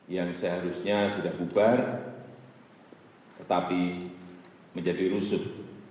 yang seharusnya sudah bubar tetapi menjadi rusuh